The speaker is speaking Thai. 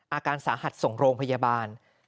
อาการสาหัสส่งโรงพยาบาล